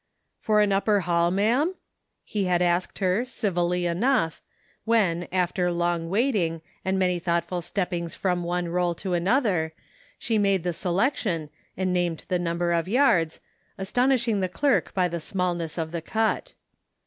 " For an upper hall, ma'am ?" he had asked her, civilly enough, when, after long waiting, 10 The Pocket Measure. and many thoughtful stoppings from one roll to another, she made the selection, and named the number of yards, astonishing the clerk by the smallness of the cut.